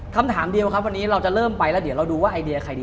คำถามเดียวครับวันนี้เราจะเริ่มไปแล้วเดี๋ยวเราดูว่าไอเดียใครดี